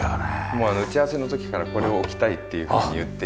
もう打ち合わせの時からこれを置きたいっていうふうに言っていて。